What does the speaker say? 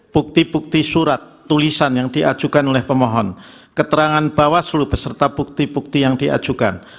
bukti bukti surat tulisan yang diajukan oleh pemohon keterangan bawaslu beserta bukti bukti yang diajukan